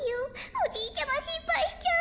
おじいちゃましんぱいしちゃう。